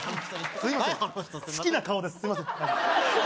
すいません